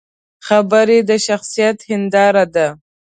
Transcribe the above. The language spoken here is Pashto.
خبرې د شخصیت هنداره ده